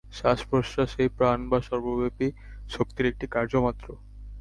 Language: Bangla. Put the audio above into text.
শ্বাসপ্রশ্বাস এই প্রাণ বা সর্বব্যাপী শক্তির একটি কার্য মাত্র।